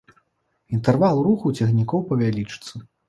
Інтэрвал руху цягнікоў павялічыцца.